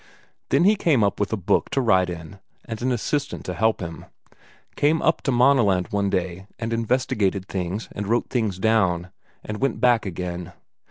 Then he came up with a book to write in and an assistant to help him; came up to Maaneland one day and investigated things and wrote things down, and went back again.